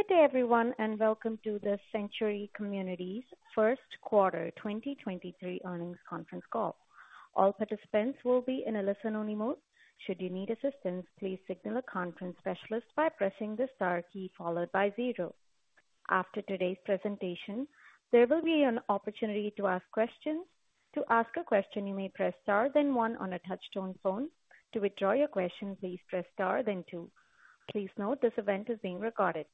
Good day everyone, and welcome to the Century Communities first quarter 2023 earnings conference call. All participants will be in a listen-only mode. Should you need assistance, please signal a conference specialist by pressing the star key followed by 0. After today's presentation, there will be an opportunity to ask questions. To ask a question, you may press star then 1 on a touchtone phone. To withdraw your question, please press star then 2. Please note this event is being recorded.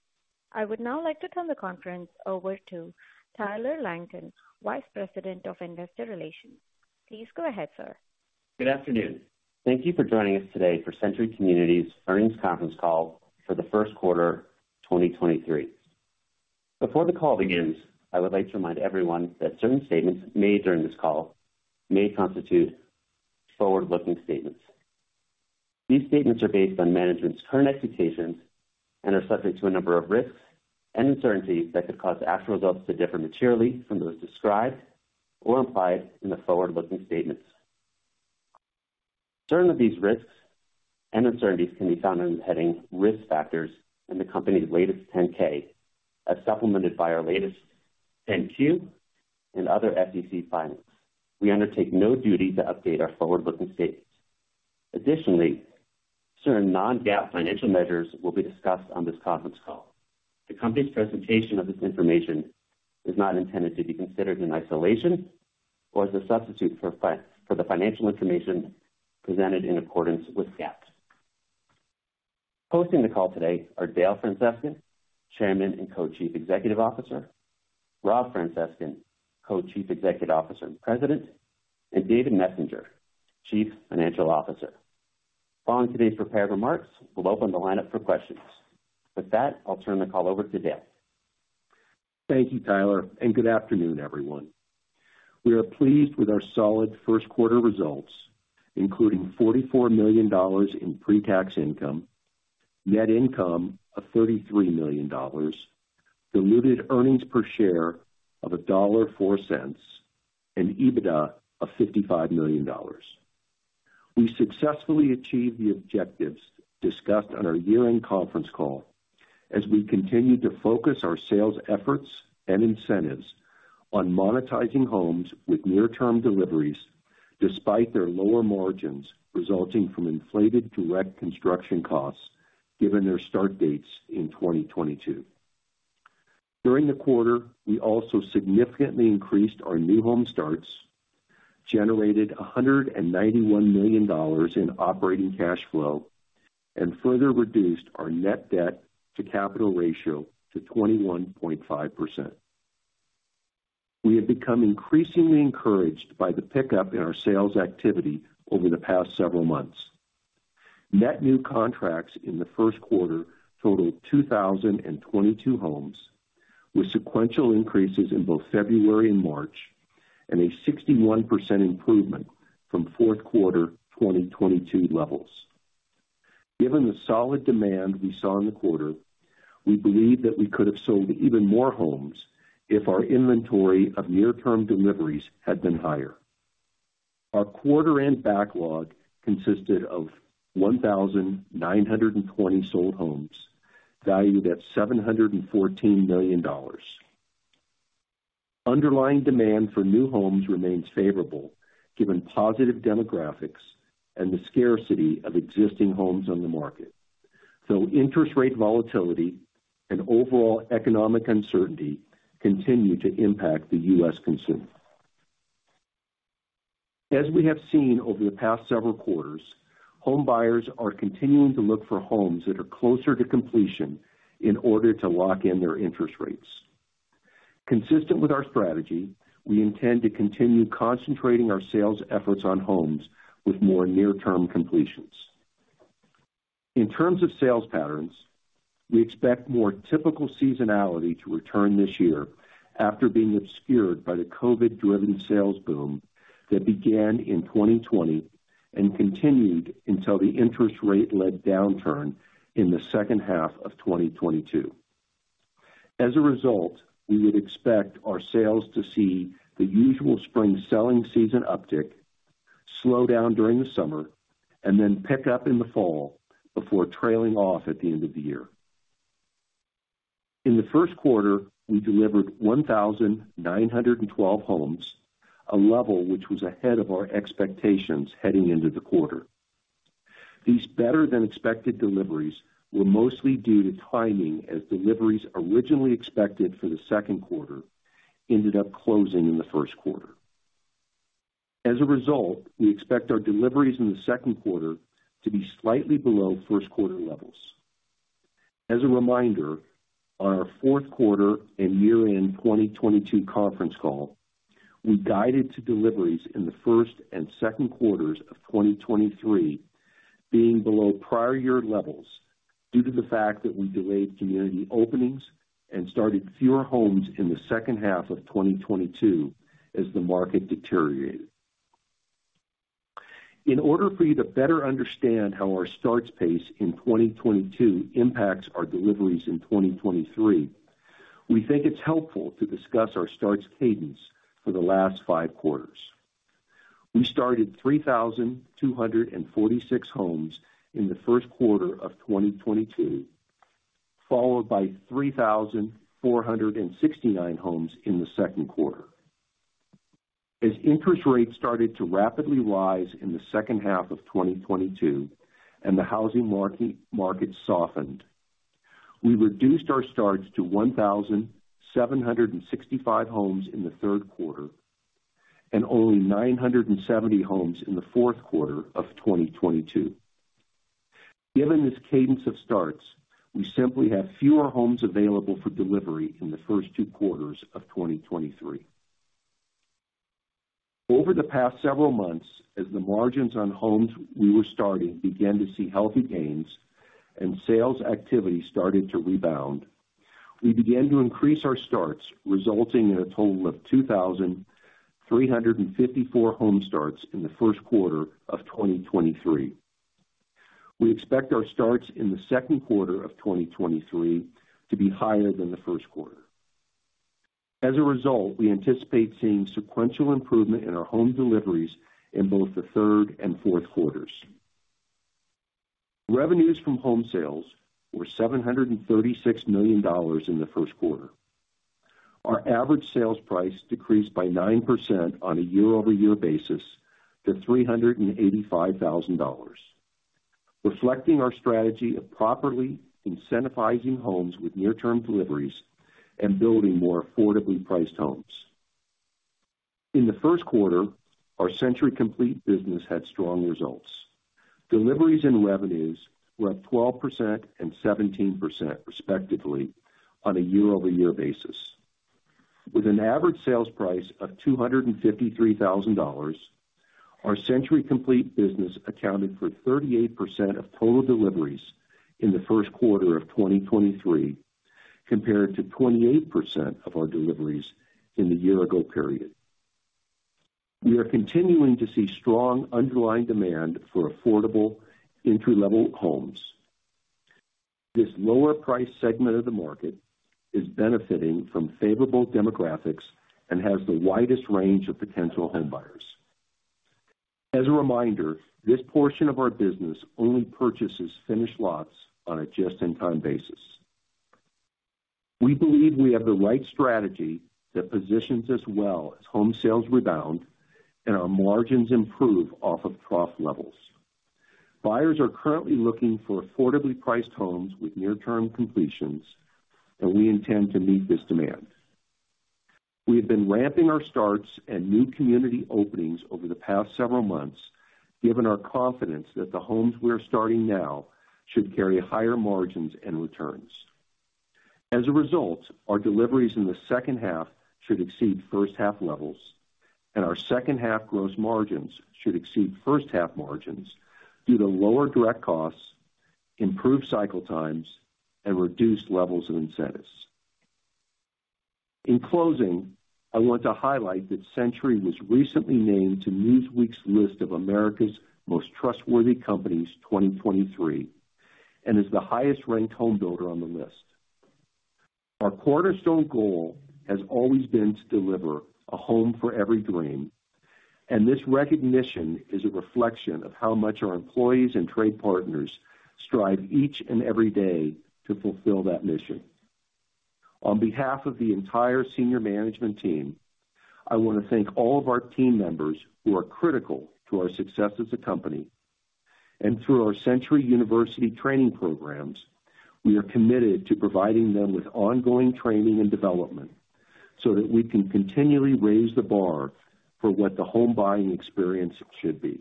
I would now like to turn the conference over to Tyler Langton, Vice President of Investor Relations. Please go ahead, sir. Good afternoon. Thank you for joining us today for Century Communities earnings conference call for the first quarter 2023. Before the call begins, I would like to remind everyone that certain statements made during this call may constitute forward-looking statements. These statements are based on management's current expectations and are subject to a number of risks and uncertainties that could cause actual results to differ materially from those described or implied in the forward-looking statements. Certain of these risks and uncertainties can be found in the heading Risk Factors in the company's latest 10-K, as supplemented by our latest 10-Q and other SEC filings. We undertake no duty to update our forward-looking statements. Certain non-GAAP financial measures will be discussed on this conference call. The company's presentation of this information is not intended to be considered in isolation or as a substitute for the financial information presented in accordance with GAAP. Hosting the call today are Dale Francescon, Chairman and Co-Chief Executive Officer, Rob Francescon, Co-Chief Executive Officer and President, and David Messenger, Chief Financial Officer. Following today's prepared remarks, we'll open the lineup for questions. With that, I'll turn the call over to Dale. Thank you, Tyler, good afternoon, everyone. We are pleased with our solid first quarter results, including $44 million in pre-tax income, net income of $33 million, diluted earnings per share of $1.04, and EBITDA of $55 million. We successfully achieved the objectives discussed on our year-end conference call as we continued to focus our sales efforts and incentives on monetizing homes with near-term deliveries, despite their lower margins resulting from inflated direct construction costs given their start dates in 2022. During the quarter, we also significantly increased our new home starts, generated $191 million in operating cash flow, and further reduced our net debt to capital ratio to 21.5%. We have become increasingly encouraged by the pickup in our sales activity over the past several months. Net new contracts in the first quarter totaled 2,022 homes, with sequential increases in both February and March and a 61% improvement from fourth quarter 2022 levels. Given the solid demand we saw in the quarter, we believe that we could have sold even more homes if our inventory of near-term deliveries had been higher. Our quarter end backlog consisted of 1,920 sold homes, valued at $714 million. Underlying demand for new homes remains favorable given positive demographics and the scarcity of existing homes on the market. Interest rate volatility and overall economic uncertainty continue to impact the U.S. consumer. As we have seen over the past several quarters, home buyers are continuing to look for homes that are closer to completion in order to lock in their interest rates. Consistent with our strategy, we intend to continue concentrating our sales efforts on homes with more near-term completions. In terms of sales patterns, we expect more typical seasonality to return this year after being obscured by the COVID-driven sales boom that began in 2020 and continued until the interest rate-led downturn in the second half of 2022. As a result, we would expect our sales to see the usual spring selling season uptick, slow down during the summer, and then pick up in the fall before trailing off at the end of the year. In the first quarter, we delivered 1,912 homes, a level which was ahead of our expectations heading into the quarter. These better than expected deliveries were mostly due to timing, as deliveries originally expected for the second quarter ended up closing in the first quarter. As a result, we expect our deliveries in the second quarter to be slightly below first quarter levels. As a reminder, on our fourth quarter and year-end 2022 conference call, we guided to deliveries in the first and second quarters of 2023 being below prior year levels due to the fact that we delayed community openings and started fewer homes in the second half of 2022 as the market deteriorated. In order for you to better understand how our starts pace in 2022 impacts our deliveries in 2023, we think it's helpful to discuss our starts cadence for the last five quarters. We started 3,246 homes in the first quarter of 2022, followed by 3,469 homes in the second quarter. As interest rates started to rapidly rise in the second half of 2022 and the housing market softened, we reduced our starts to 1,765 homes in the 3rd quarter and only 970 homes in the 4th quarter of 2022. Given this cadence of starts, we simply have fewer homes available for delivery in the 1st two quarters of 2023. Over the past several months, as the margins on homes we were starting began to see healthy gains and sales activity started to rebound, we began to increase our starts, resulting in a total of 2,354 home starts in the 1st quarter of 2023. We expect our starts in the 2nd quarter of 2023 to be higher than the 1st quarter. As a result, we anticipate seeing sequential improvement in our home deliveries in both the third and fourth quarters. Revenues from home sales were $736 million in the first quarter. Our average sales price decreased by 9% on a year-over-year basis to $385,000, reflecting our strategy of properly incentivizing homes with near-term deliveries and building more affordably priced homes. In the first quarter, our Century Complete business had strong results. Deliveries and revenues were up 12% and 17% respectively on a year-over-year basis. With an average sales price of $253,000, our Century Complete business accounted for 38% of total deliveries in the first quarter of 2023, compared to 28% of our deliveries in the year-ago period. We are continuing to see strong underlying demand for affordable entry-level homes. This lower price segment of the market is benefiting from favorable demographics and has the widest range of potential homebuyers. As a reminder, this portion of our business only purchases finished lots on a just-in-time basis. We believe we have the right strategy that positions us well as home sales rebound and our margins improve off of trough levels. Buyers are currently looking for affordably priced homes with near-term completions, and we intend to meet this demand. We have been ramping our starts and new community openings over the past several months, given our confidence that the homes we are starting now should carry higher margins and returns. As a result, our deliveries in the second half should exceed first half levels, and our second half gross margins should exceed first half margins due to lower direct costs, improved cycle times, and reduced levels of incentives. In closing, I want to highlight that Century was recently named to Newsweek's list of America's Most Trustworthy Companies 2023 and is the highest-ranked home builder on the list. Our cornerstone goal has always been to deliver a home for every dream, and this recognition is a reflection of how much our employees and trade partners strive each and every day to fulfill that mission. On behalf of the entire senior management team, I want to thank all of our team members who are critical to our success as a company. Through our Century University training programs, we are committed to providing them with ongoing training and development so that we can continually raise the bar for what the home buying experience should be.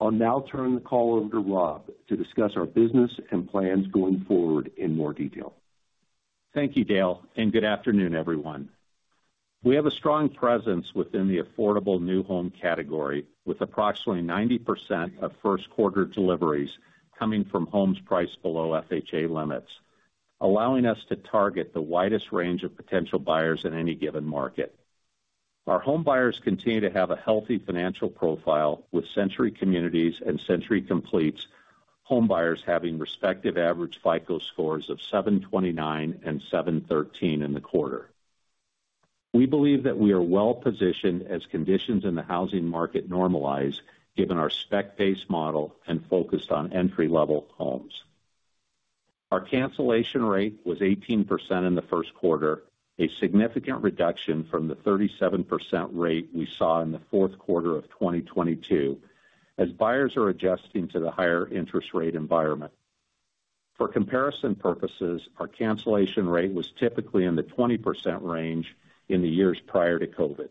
I'll now turn the call over to Rob to discuss our business and plans going forward in more detail. Thank you, Dale, and good afternoon, everyone. We have a strong presence within the affordable new home category, with approximately 90% of first quarter deliveries coming from homes priced below FHA limits, allowing us to target the widest range of potential buyers in any given market. Our homebuyers continue to have a healthy financial profile, with Century Communities and Century Complete homebuyers having respective average FICO scores of 729 and 713 in the quarter. We believe that we are well-positioned as conditions in the housing market normalize given our spec-based model and focused on entry-level homes. Our cancellation rate was 18% in the first quarter, a significant reduction from the 37% rate we saw in the fourth quarter of 2022 as buyers are adjusting to the higher interest rate environment. For comparison purposes, our cancellation rate was typically in the 20% range in the years prior to COVID.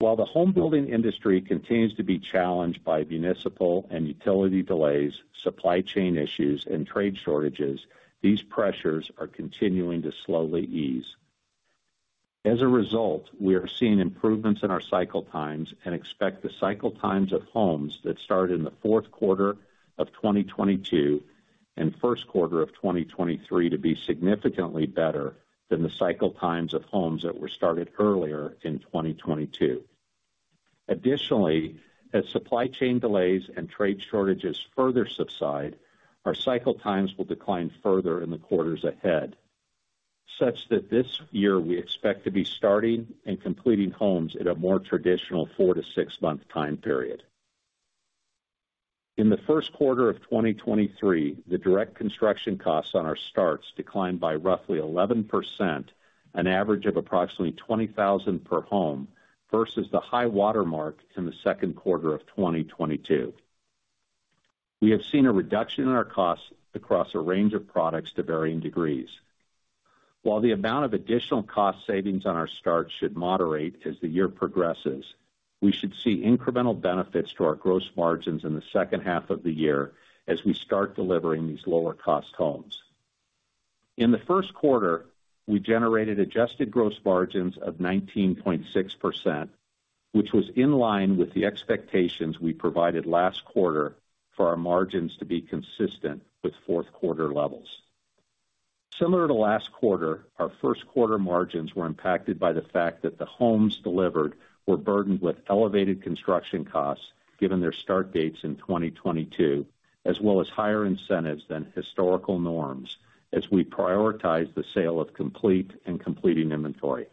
While the home building industry continues to be challenged by municipal and utility delays, supply chain issues and trade shortages, these pressures are continuing to slowly ease. As a result, we are seeing improvements in our cycle times and expect the cycle times of homes that started in the fourth quarter of 2022 and first quarter of 2023 to be significantly better than the cycle times of homes that were started earlier in 2022. Additionally, as supply chain delays and trade shortages further subside, our cycle times will decline further in the quarters ahead. Such that this year we expect to be starting and completing homes at a more traditional 4-6 month time period. In the first quarter of 2023, the direct construction costs on our starts declined by roughly 11%, an average of approximately $20,000 per home versus the high watermark in the second quarter of 2022. We have seen a reduction in our costs across a range of products to varying degrees. The amount of additional cost savings on our starts should moderate as the year progresses, we should see incremental benefits to our gross margins in the second half of the year as we start delivering these lower cost homes. In the first quarter, we generated adjusted gross margins of 19.6%, which was in line with the expectations we provided last quarter for our margins to be consistent with fourth-quarter levels. Similar to last quarter, our first quarter margins were impacted by the fact that the homes delivered were burdened with elevated construction costs given their start dates in 2022 as well as higher incentives than historical norms as we prioritize the sale of complete and completing inventory.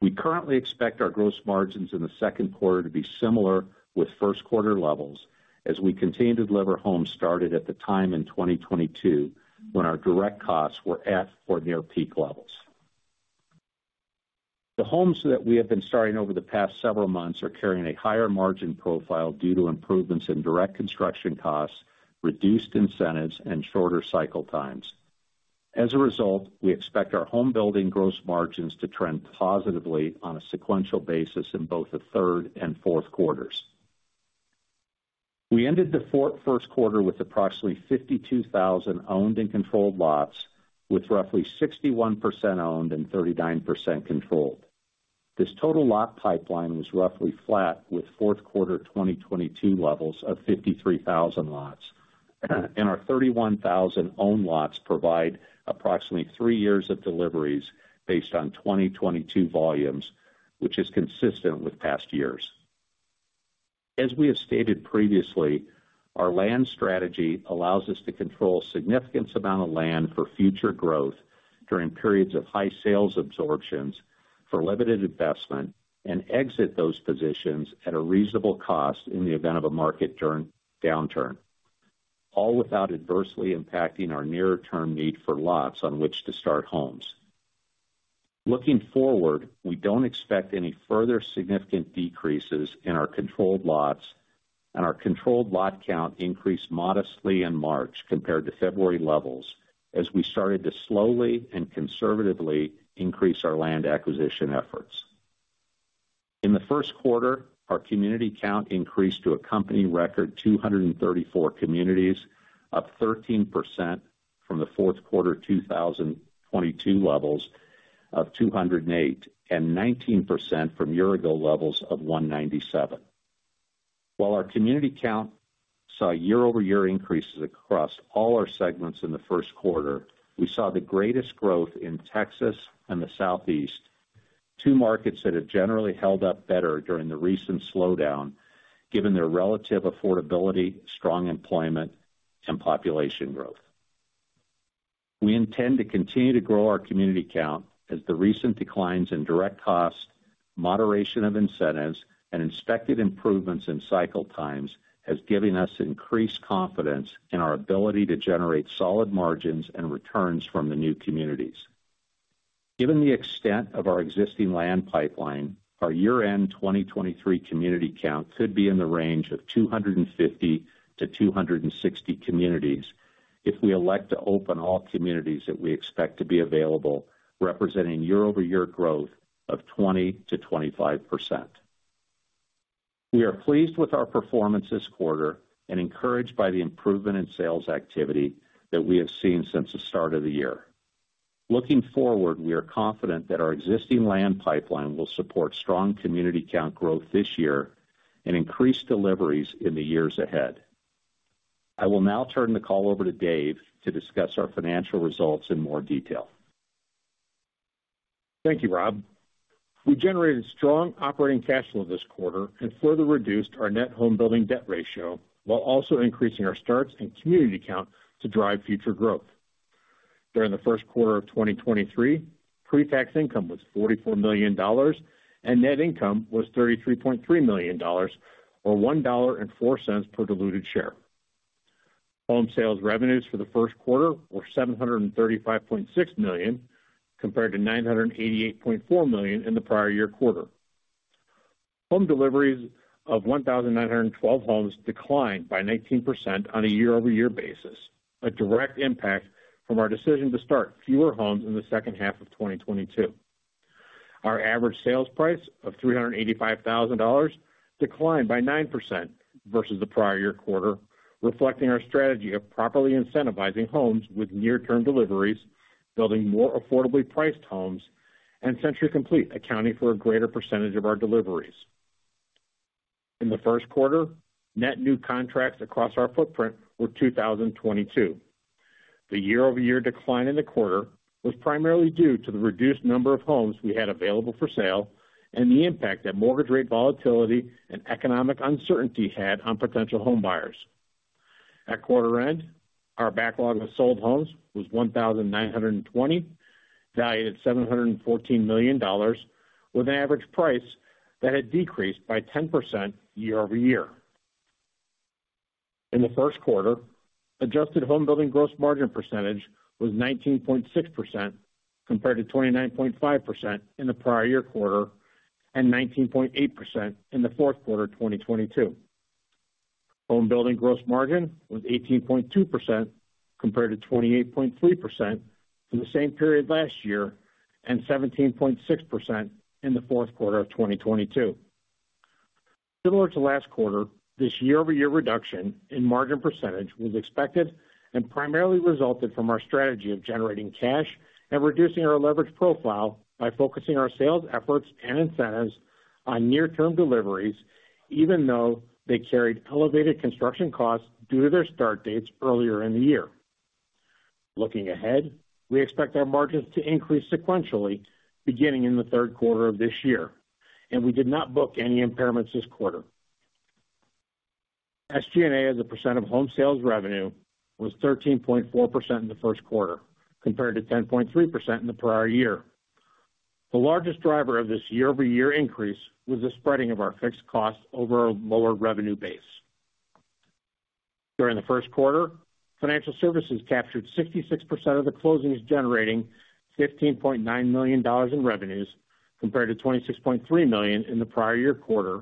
We currently expect our gross margins in the second quarter to be similar with first-quarter levels as we continue to deliver homes started at the time in 2022 when our direct costs were at or near peak levels. The homes that we have been starting over the past several months are carrying a higher margin profile due to improvements in direct construction costs, reduced incentives, and shorter cycle times. As a result, we expect our home building gross margins to trend positively on a sequential basis in both the third and fourth quarters. We ended the fourth first quarter with approximately 52,000 owned and controlled lots, with roughly 61% owned and 39% controlled. This total lot pipeline was roughly flat with fourth quarter 2022 levels of 53,000 lots. Our 31,000 owned lots provide approximately three years of deliveries based on 2022 volumes, which is consistent with past years. As we have stated previously, our land strategy allows us to control significant amount of land for future growth during periods of high sales absorptions for limited investment and exit those positions at a reasonable cost in the event of a market downturn, all without adversely impacting our nearer term need for lots on which to start homes. Looking forward, we don't expect any further significant decreases in our controlled lots, and our controlled lot count increased modestly in March compared to February levels as we started to slowly and conservatively increase our land acquisition efforts. In the first quarter, our community count increased to a company record 234 communities, up 13% from the fourth quarter of 2022 levels of 208, and 19% from year ago levels of 197. While our community count saw year-over-year increases across all our segments in the first quarter, we saw the greatest growth in Texas and the Southeast, two markets that have generally held up better during the recent slowdown given their relative affordability, strong employment, and population growth. We intend to continue to grow our community count as the recent declines in direct cost, moderation of incentives, and inspected improvements in cycle times has given us increased confidence in our ability to generate solid margins and returns from the new communities. Given the extent of our existing land pipeline, our year-end 2023 community count could be in the range of 250-260 communities if we elect to open all communities that we expect to be available, representing year-over-year growth of 20%-25%. We are pleased with our performance this quarter and encouraged by the improvement in sales activity that we have seen since the start of the year. Looking forward, we are confident that our existing land pipeline will support strong community count growth this year and increase deliveries in the years ahead. I will now turn the call over to Dave to discuss our financial results in more detail. Thank you, Rob. We generated strong operating cash flow this quarter and further reduced our net home building debt ratio while also increasing our starts and community count to drive future growth. During the first quarter of 2023, pre-tax income was $44 million, and net income was $33.3 million or $1.04 per diluted share. Home sales revenues for the first quarter were $735.6 million, compared to $988.4 million in the prior year quarter. Home deliveries of 1,912 homes declined by 19% on a year-over-year basis, a direct impact from our decision to start fewer homes in the second half of 2022. Our average sales price of $385,000 declined by 9% versus the prior year quarter, reflecting our strategy of properly incentivizing homes with near-term deliveries, building more affordably priced homes, and Century Complete accounting for a greater percentage of our deliveries. In the first quarter, net new contracts across our footprint were 2,022. The year-over-year decline in the quarter was primarily due to the reduced number of homes we had available for sale and the impact that mortgage rate volatility and economic uncertainty had on potential home buyers. At quarter end, our backlog of sold homes was 1,920, valued at $714 million with an average price that had decreased by 10% year-over-year. In the first quarter, adjusted homebuilding gross margin percentage was 19.6% compared to 29.5% in the prior year quarter and 19.8% in the fourth quarter of 2022. Homebuilding gross margin was 18.2% compared to 28.3% for the same period last year and 17.6% in the fourth quarter of 2022. Similar to last quarter, this year-over-year reduction in margin percentage was expected and primarily resulted from our strategy of generating cash and reducing our leverage profile by focusing our sales efforts and incentives on near-term deliveries, even though they carried elevated construction costs due to their start dates earlier in the year. Looking ahead, we expect our margins to increase sequentially beginning in the third quarter of this year, and we did not book any impairments this quarter. SG&A as a percent of home sales revenue was 13.4% in the first quarter compared to 10.3% in the prior year. The largest driver of this year-over-year increase was the spreading of our fixed costs over a lower revenue base. During the first quarter, financial services captured 66% of the closings, generating $15.9 million in revenues compared to $26.3 million in the prior year quarter,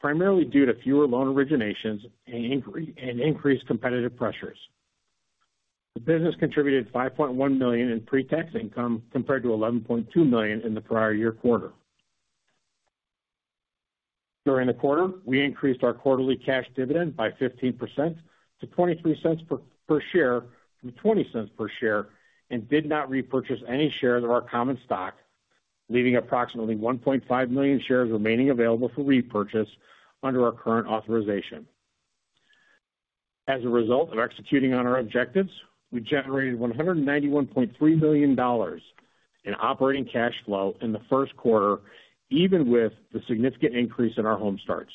primarily due to fewer loan originations and increased competitive pressures. The business contributed $5.1 million in pre-tax income compared to $11.2 million in the prior year quarter. During the quarter, we increased our quarterly cash dividend by 15% to $0.23 per share from $0.20 per share and did not repurchase any shares of our common stock, leaving approximately 1.5 million shares remaining available for repurchase under our current authorization. As a result of executing on our objectives, we generated $191.3 million in operating cash flow in the first quarter, even with the significant increase in our home starts.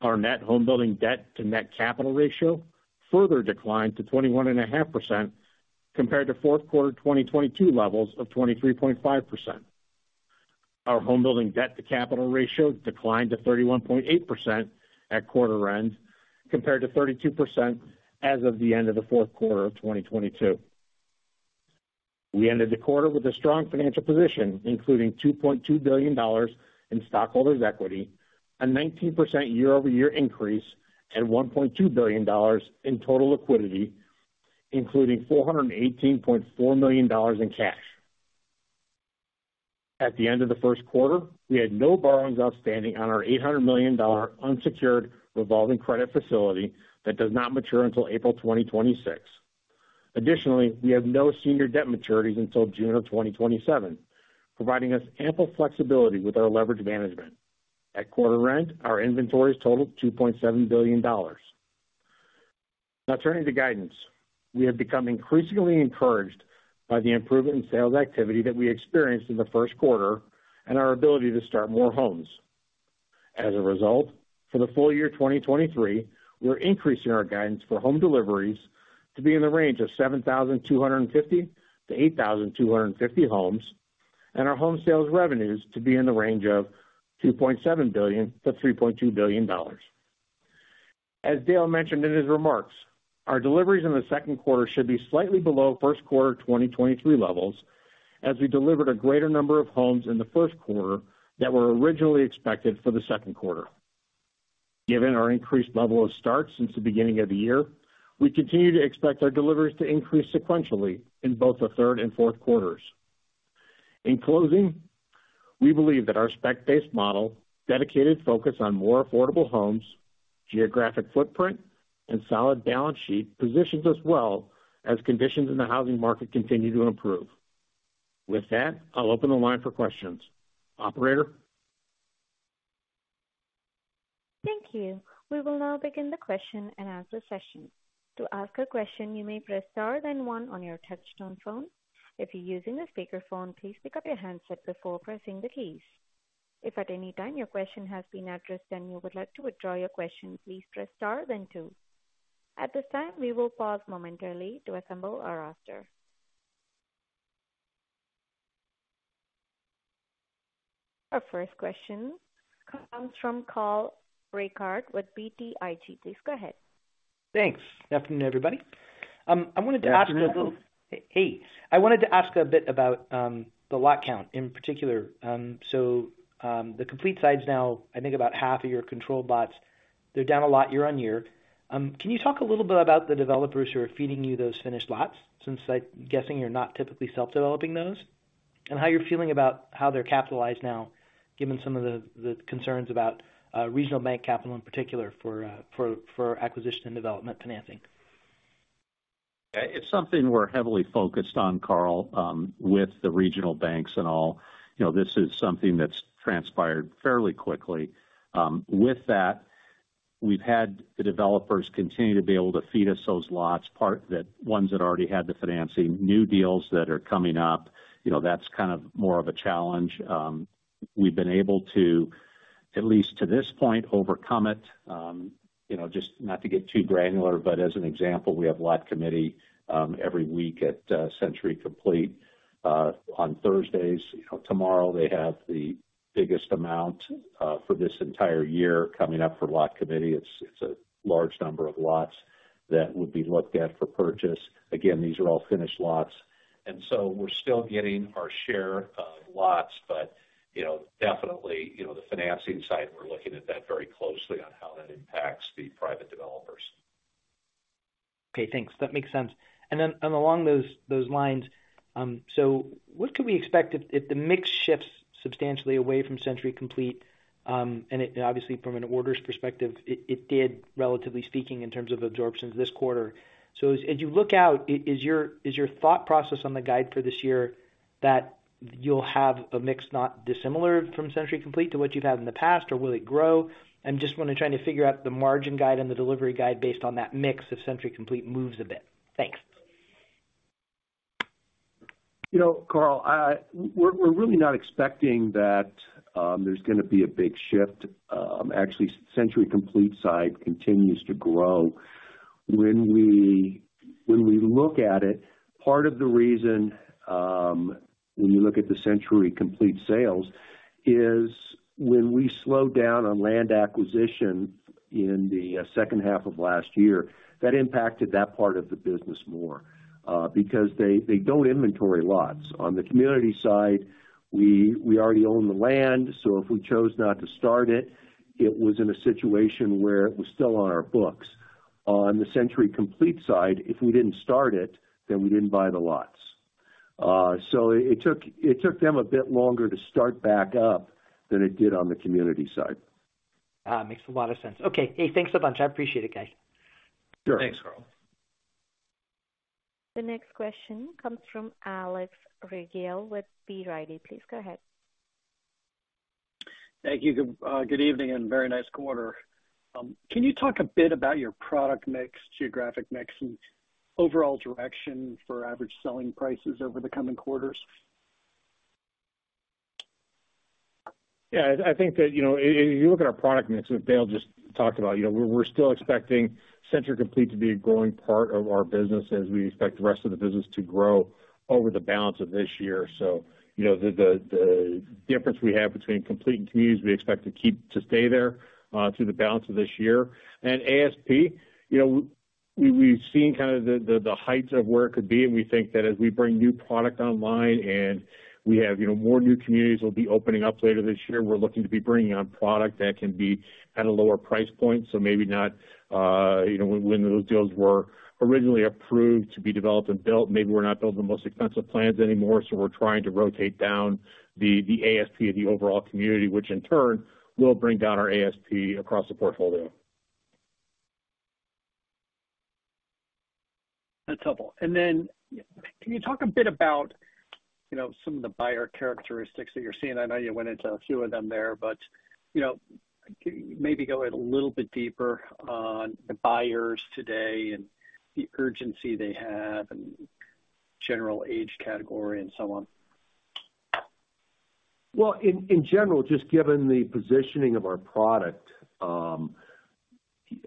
Our net homebuilding debt to net capital ratio further declined to 21.5% compared to fourth quarter of 2022 levels of 23.5%. Our homebuilding debt to capital ratio declined to 31.8% at quarter end compared to 32% as of the end of the fourth quarter of 2022.We ended the quarter with a strong financial position, including $2.2 billion in stockholders' equity, a 19% year-over-year increase at $1.2 billion in total liquidity, including $418.4 million in cash. At the end of the first quarter, we had no borrowings outstanding on our $800 million unsecured revolving credit facility that does not mature until April 2026. Additionally, we have no senior debt maturities until June 2027, providing us ample flexibility with our leverage management. At quarter end, our inventories totaled $2.7 billion. Now turning to guidance. We have become increasingly encouraged by the improvement in sales activity that we experienced in the first quarter and our ability to start more homes. For the full year 2023, we're increasing our guidance for home deliveries to be in the range of 7,250-8,250 homes, and our home sales revenues to be in the range of $2.7 billion-$3.2 billion. As Dale mentioned in his remarks, our deliveries in the second quarter should be slightly below first quarter of 2023 levels as we delivered a greater number of homes in the first quarter that were originally expected for the second quarter. Given our increased level of starts since the beginning of the year, we continue to expect our deliveries to increase sequentially in both the third and fourth quarters. In closing, we believe that our spec-based model, dedicated focus on more affordable homes, geographic footprint, and solid balance sheet positions us well as conditions in the housing market continue to improve. With that, I'll open the line for questions. Operator? Thank you. We will now begin the question-and-answer session. To ask a question, you may press star then one on your touchtone phone. If you're using a speakerphone, please pick up your handset before pressing the keys. If at any time your question has been addressed and you would like to withdraw your question, please press star then two. At this time, we will pause momentarily to assemble our roster. Our first question comes from Carl Reichardt with BTIG. Please go ahead. Thanks. Good afternoon, everybody. Good afternoon. Hey. I wanted to ask a bit about the lot count in particular. The complete sites now, I think about half of your controlled lots, they're down a lot year-over-year. Can you talk a little bit about the developers who are feeding you those finished lots since I'm guessing you're not typically self-developing those, and how you're feeling about how they're capitalized now, given some of the concerns about regional bank capital in particular for acquisition and development financing? It's something we're heavily focused on, Carl, with the regional banks and all. You know, this is something that's transpired fairly quickly. With that, we've had the developers continue to be able to feed us those lots, part that ones that already had the financing. New deals that are coming up, you know, that's kind of more of a challenge. We've been able to, at least to this point, overcome it. You know, just not to get too granular, but as an example, we have lot committee every week at Century Complete on Thursdays. You know, tomorrow they have the biggest amount for this entire year coming up for lot committee. It's a large number of lots that would be looked at for purchase. Again, these are all finished lots. We're still getting our share of lots. You know, definitely, you know, the financing side, we're looking at that very closely on how that impacts the private developers. Okay, thanks. That makes sense. Along those lines, what can we expect if the mix shifts substantially away from Century Complete, obviously from an orders perspective, it did relatively speaking in terms of absorption this quarter. As you look out, is your thought process on the guide for this year that you'll have a mix not dissimilar from Century Complete to what you've had in the past, or will it grow? I'm just wanna try to figure out the margin guide and the delivery guide based on that mix if Century Complete moves a bit. Thanks. You know, Carl, We're really not expecting that there's gonna be a big shift. Actually, Century Complete side continues to grow. When we look at it, part of the reason when you look at the Century Complete sales is when we slowed down on land acquisition in the second half of last year, that impacted that part of the business more because they don't inventory lots. On the community side, we already own the land, so if we chose not to start it was in a situation where it was still on our books. On the Century Complete side, if we didn't start it, we didn't buy the lots. It took them a bit longer to start back up than it did on the community side. Makes a lot of sense. Okay. Hey, thanks a bunch. I appreciate it, guys. Sure. Thanks, Carl. The next question comes from Alex Rygiel with B. Riley. Please go ahead. Thank you. Good, good evening and very nice quarter. Can you talk a bit about your product mix, geographic mix, and overall direction for average selling prices over the coming quarters? Yeah. I think that, you know, if you look at our product mix that Dale just talked about, you know, we're still expecting Century Complete to be a growing part of our business as we expect the rest of the business to grow over the balance of this year. You know, the difference we have between Complete and Communities, we expect to keep to stay there through the balance of this year. ASP, you know, we've seen kind of the heights of where it could be, and we think that as we bring new product online and we have, you know, more new communities will be opening up later this year, we're looking to be bringing on product that can be at a lower price point. maybe not, you know, when those deals were originally approved to be developed and built, maybe we're not building the most expensive plans anymore. We're trying to rotate down the ASP of the overall community, which in turn will bring down our ASP across the portfolio. That's helpful. Can you talk a bit about, you know, some of the buyer characteristics that you're seeing? I know you went into a few of them there, but, you know, can you maybe go a little bit deeper on the buyers today and the urgency they have and general age category and so on? Well, in general, just given the positioning of our product,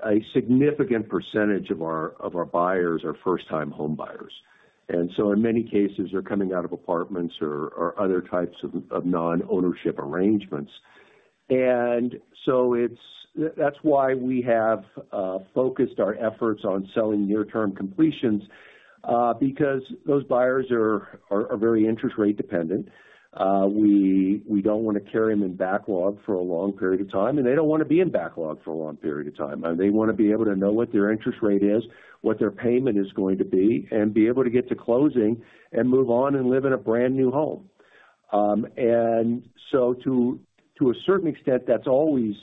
a significant percentage of our buyers are first-time homebuyers. In many cases, they're coming out of apartments or other types of non-ownership arrangements. That's why we have focused our efforts on selling near term completions because those buyers are very interest-rate dependent. We don't wanna carry them in backlog for a long period of time, and they don't wanna be in backlog for a long period of time. They wanna be able to know what their interest rate is, what their payment is going to be, and be able to get to closing and move on and live in a brand-new home. To a certain extent, that's always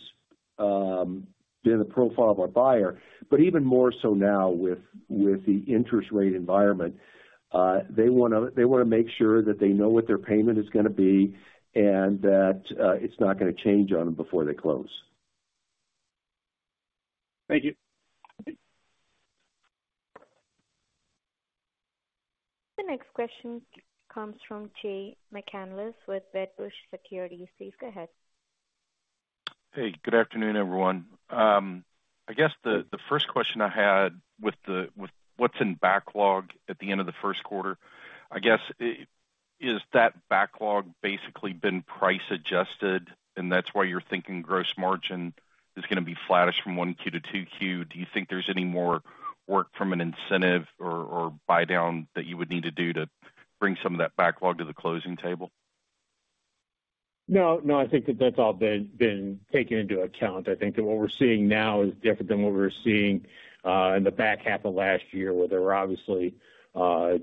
been the profile of our buyer. Even more so now with the interest rate environment, they wanna make sure that they know what their payment is gonna be and that, it's not gonna change on them before they close. Thank you. The next question comes from Jay McCanless with Wedbush Securities. Please go ahead. Hey, good afternoon, everyone. I guess the first question I had with what's in backlog at the end of the first quarter, I guess, is that backlog basically been price adjusted, and that's why you're thinking gross margin is gonna be flattish from 1Q to 2Q? Do you think there's any more work from an incentive or buydown that you would need to do to bring some of that backlog to the closing table? No, I think that that's all been taken into account. I think that what we're seeing now is different than what we were seeing in the back half of last year, where there were obviously,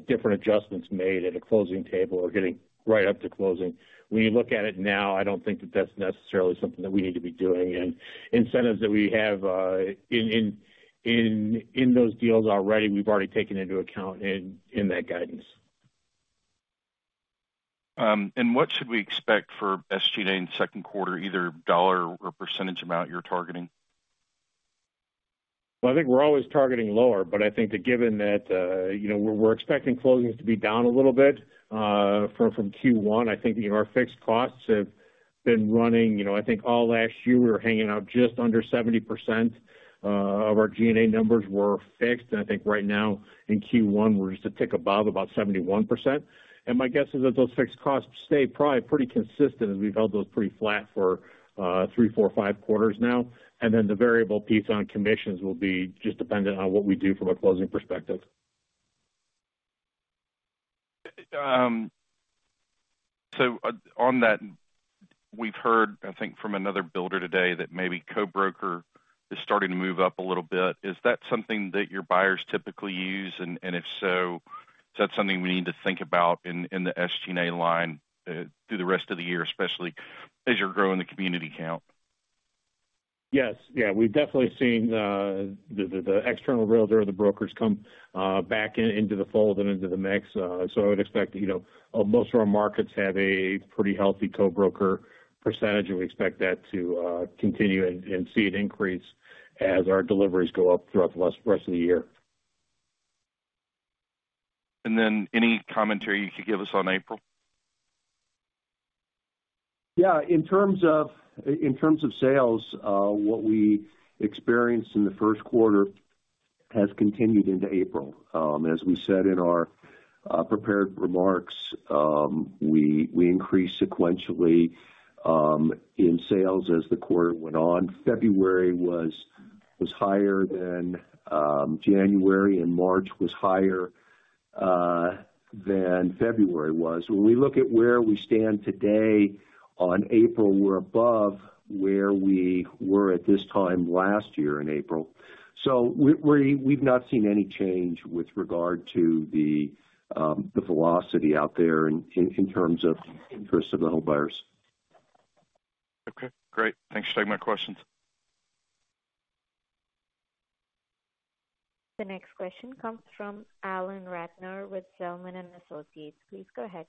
different adjustments made at a closing table or getting right up to closing. When you look at it now, I don't think that that's necessarily something that we need to be doing. Incentives that we have in those deals already, we've already taken into account in that guidance. What should we expect for SG&A in the second quarter, either dollar or percentage amount you're targeting? I think we're always targeting lower, but I think that given that, you know, we're expecting closings to be down a little bit from Q1, I think, you know, our fixed costs have been running. You know, I think all last year we were hanging out just under 70% of our G&A numbers were fixed. I think right now in Q1, we're just a tick above, about 71%. My guess is that those fixed costs stay probably pretty consistent, and we've held those pretty flat for 3, 4, 5 quarters now. Then the variable piece on commissions will be just dependent on what we do from a closing perspective. On that, we've heard, I think from another builder today that maybe co-broker is starting to move up a little bit. Is that something that your buyers typically use? If so, is that something we need to think about in the SG&A line through the rest of the year, especially as you're growing the community count? Yes. Yeah, we've definitely seen the external realtor or the brokers come back in, into the fold and into the mix. I would expect, you know, most of our markets have a pretty healthy co-broker percentage, and we expect that to continue and see it increase as our deliveries go up throughout the rest of the year. Any commentary you could give us on April? Yeah. In terms of sales, what we experienced in the first quarter has continued into April. As we said in our prepared remarks, we increased sequentially in sales as the quarter went on. February was higher than January, and March was higher than February was. When we look at where we stand today, on April, we're above where we were at this time last year in April. We've not seen any change with regard to the velocity out there in terms of the home buyers. Okay, great. Thanks for taking my questions. The next question comes from Alan Ratner with Zelman & Associates. Please go ahead.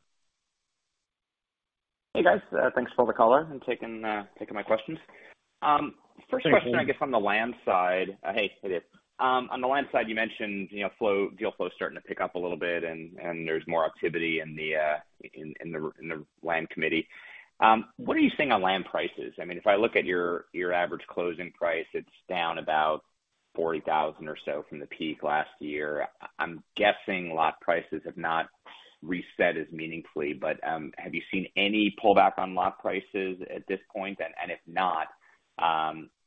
Hey, guys, thanks for the call and taking my questions. First question, I guess, on the land side. Hey, how it is. On the land side, you mentioned, you know, flow, deal flow starting to pick up a little bit and there's more activity in the land committee. What are you seeing on land prices? I mean, if I look at your average closing price, it's down about $40,000 or so from the peak last year. I'm guessing lot prices have not reset as meaningfully, but, have you seen any pullback on lot prices at this point? If not,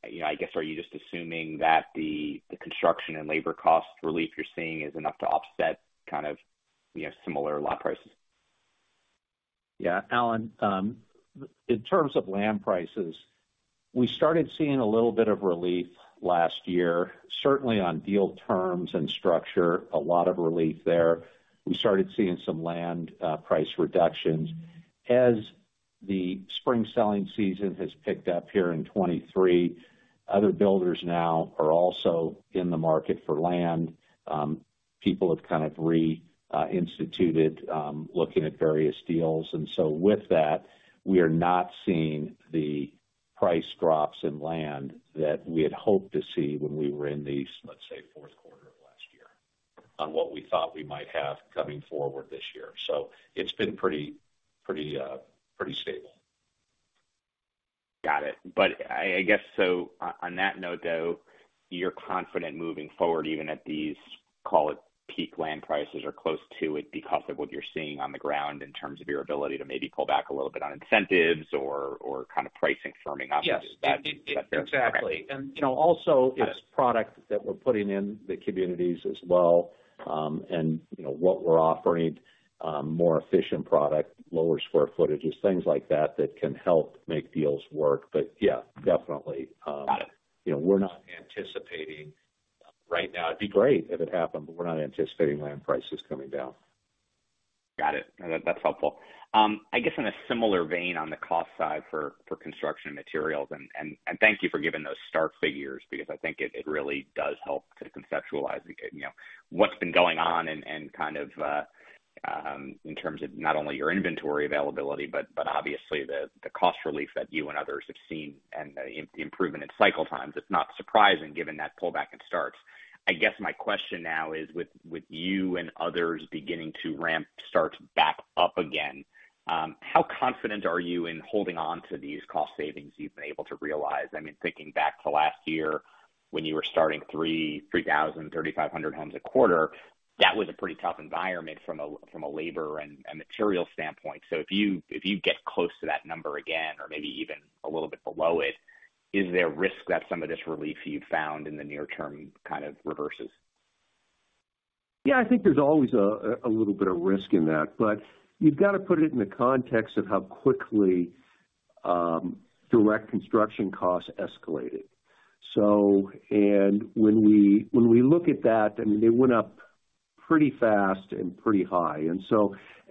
you know, I guess, are you just assuming that the construction and labor cost relief you're seeing is enough to offset kind of, you know, similar lot prices? Yeah, Alan, in terms of land prices, we started seeing a little bit of relief last year, certainly on deal terms and structure, a lot of relief there. We started seeing some land price reductions. As the spring selling season has picked up here in 2023, other builders now are also in the market for land. People have kind of reinstituted looking at various deals. With that, we are not seeing the price drops in land that we had hoped to see when we were in the, let's say, fourth quarter of last year on what we thought we might have coming forward this year. It's been pretty stable. Got it. I guess so on that note, though, you're confident moving forward, even at these, call it, peak land prices or close to it, because of what you're seeing on the ground in terms of your ability to maybe pull back a little bit on incentives or kind of pricing firming up. Yes. Is that fair? Exactly. You know, also it's product that we're putting in the communities as well, and you know what we're offering, more efficient product, lower square footages, things like that that can help make deals work. Yeah, definitely. Got it. You know, we're not anticipating right now. It'd be great if it happened, but we're not anticipating land prices coming down. Got it. That's helpful. I guess in a similar vein on the cost side for construction materials, and thank you for giving those start figures, because I think it really does help to conceptualize, you know, what's been going on and kind of in terms of not only your inventory availability, but obviously the cost relief that you and others have seen and the improvement in cycle times. It's not surprising given that pullback in starts. I guess my question now is, with you and others beginning to ramp starts back up again, how confident are you in holding on to these cost savings you've been able to realize? I mean, thinking back to last year when you were starting 3,000-3,500 homes a quarter, that was a pretty tough environment from a labor and material standpoint. If you get close to that number again or maybe even a little bit below it, is there a risk that some of this relief you've found in the near term kind of reverses? Yeah, I think there's always a little bit of risk in that, but you've got to put it in the context of how quickly direct construction costs escalated. When we look at that, I mean, they went up pretty fast and pretty high.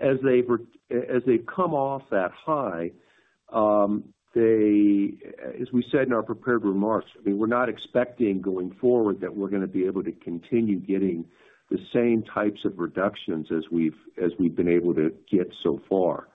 As they come off that high, they. As we said in our prepared remarks, we're not expecting going forward that we're gonna be able to continue getting the same types of reductions as we've been able to get so far.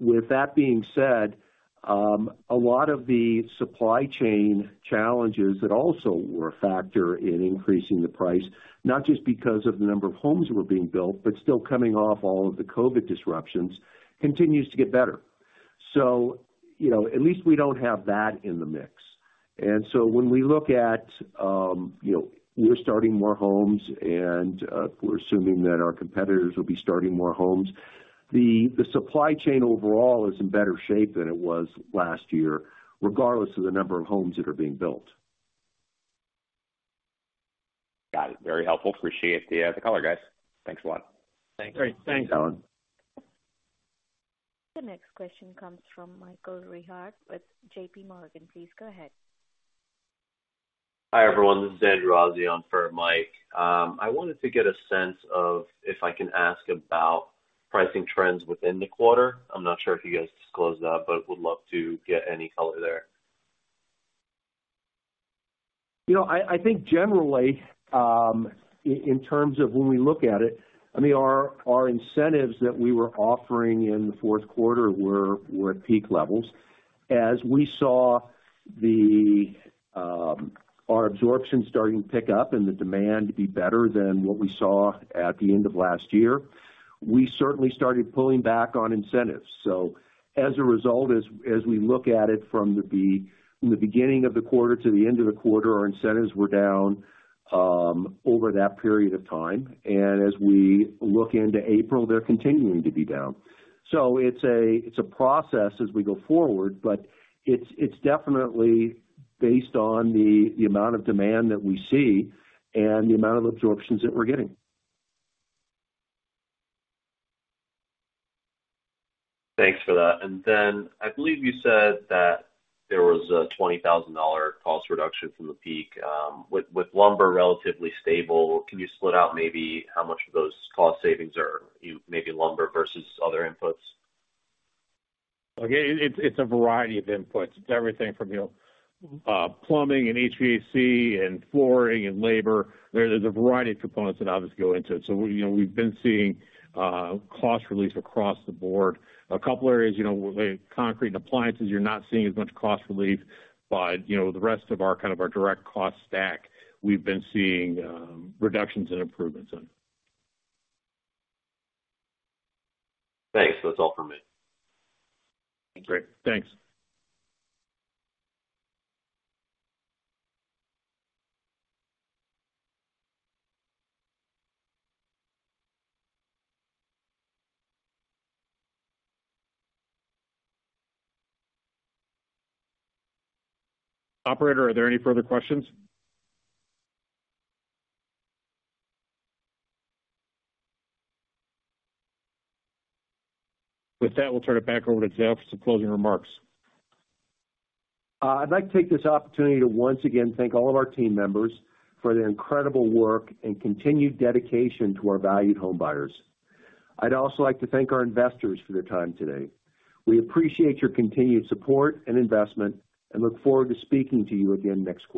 With that being said, a lot of the supply chain challenges that also were a factor in increasing the price, not just because of the number of homes that were being built, but still coming off all of the COVID disruptions continues to get better. You know, at least we don't have that in the mix. When we look at, you know, we're starting more homes and we're assuming that our competitors will be starting more homes, the supply chain overall is in better shape than it was last year, regardless of the number of homes that are being built. Got it. Very helpful. Appreciate the color, guys. Thanks a lot. Thanks. Great. Thanks. Thanks, Alan. The next question comes from Michael Rehaut with JP Morgan. Please go ahead. Hi, everyone, this is Andrew Azzi on for Mike. I wanted to get a sense of, if I can ask about pricing trends within the quarter. I'm not sure if you guys disclosed that, but would love to get any color there. You know, I think generally, in terms of when we look at it, I mean, our incentives that we were offering in the fourth quarter were at peak levels. As we saw the, our absorption starting to pick up and the demand to be better than what we saw at the end of last year, we certainly started pulling back on incentives. As a result, as we look at it from the beginning of the quarter to the end of the quarter, our incentives were down over that period of time. As we look into April, they're continuing to be down. It's a process as we go forward, but it's definitely based on the amount of demand that we see and the amount of absorptions that we're getting. Thanks for that. I believe you said that there was a $20,000 cost reduction from the peak. With lumber relatively stable, can you split out maybe how much of those cost savings are maybe lumber versus other inputs? Okay. It's a variety of inputs. It's everything from, you know, plumbing and HVAC and flooring and labor. There's a variety of components that obviously go into it. We, you know, we've been seeing cost relief across the board. A couple areas, you know, with concrete and appliances, you're not seeing as much cost relief. You know, the rest of our kind of our direct cost stack, we've been seeing reductions and improvements in. Thanks. That's all for me. Great. Thanks. Operator, are there any further questions? With that, we'll turn it back over to Jeff for some closing remarks. I'd like to take this opportunity to once again thank all of our team members for their incredible work and continued dedication to our valued homebuyers. I'd also like to thank our investors for their time today. We appreciate your continued support and investment and look forward to speaking to you again next quarter.